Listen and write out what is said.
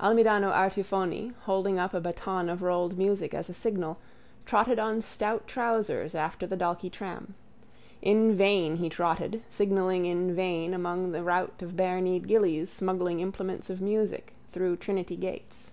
_ Almidano Artifoni, holding up a baton of rolled music as a signal, trotted on stout trousers after the Dalkey tram. In vain he trotted, signalling in vain among the rout of barekneed gillies smuggling implements of music through Trinity gates.